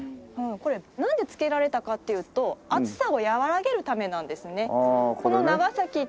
これなんで付けられたかっていうと暑さを和らげるためなんですね。